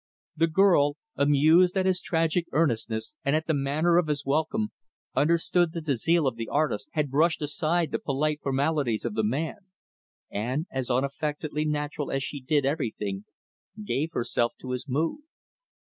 The girl, amused at his tragic earnestness, and at the manner of his welcome, understood that the zeal of the artist had brushed aside the polite formalities of the man; and, as unaffectedly natural as she did everything, gave herself to his mood.